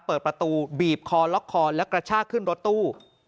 เปิดประตูบีบคอล็อกคอและกระชากขึ้นรถตู้